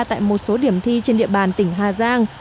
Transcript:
tại một số điểm thi trên địa bàn tỉnh hà giang